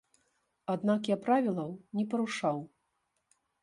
Аднак я правілаў не парушаў.